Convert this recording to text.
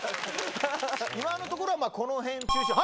今のところは、このへん中心。